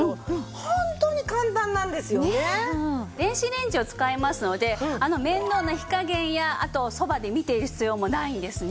電子レンジを使いますのであの面倒な火加減やそばで見ている必要もないんですね。